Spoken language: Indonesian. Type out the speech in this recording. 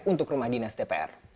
untuk rumah dinas dpr